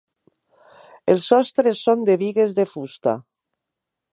Els sostres són de bigues de fusta.